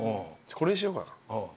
これにしようかな。